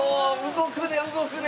動くね動くね！